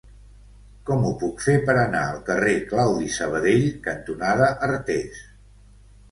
Com ho puc fer per anar al carrer Claudi Sabadell cantonada Artés?